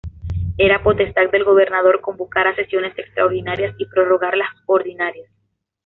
Era potestad del Gobernador convocar a sesiones extraordinarias y prorrogar las ordinarias.